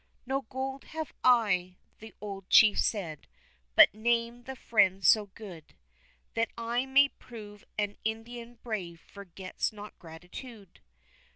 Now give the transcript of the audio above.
"No gold have I," the old chief said, "but name the Friend so good, That I may prove an Indian brave forgets not gratitude."